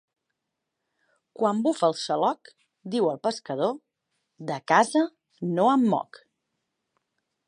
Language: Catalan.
Quan bufa el xaloc, diu el pescador: De casa no em moc.